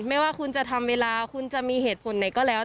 ไม่ว่าคุณจะทำเวลาคุณจะมีเหตุผลไหนก็แล้ว